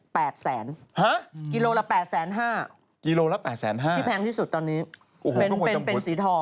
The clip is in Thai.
แปดแสนฮะกิโลละแปดแสนห้าที่แพงที่สุดตอนนี้เป็นสีทอง